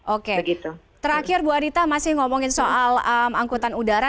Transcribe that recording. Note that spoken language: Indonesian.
oke terakhir bu adita masih ngomongin soal angkutan udara